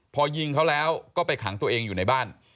พอยิงเขาแล้วก็ไปขังตัวเองอยู่ในบ้าน